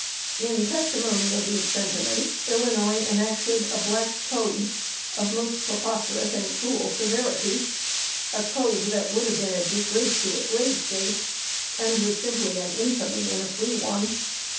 In testimony of these sentiments, Illinois enacted a "black code" of most preposterous and cruel severity, a code that would have been a disgrace to a Slave State, and was simply an infamy in a free one.